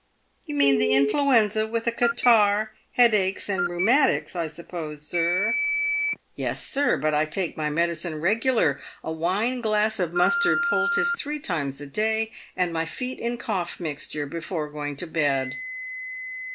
" You mean the influenza, with a catarrh, head aches, and rheumatics, I suppose, sir ?"—" Tes, sir ; but I take my medicine regular — a wine glass of mustard poultice three times a day, and my feet in cough mixture before going to bed."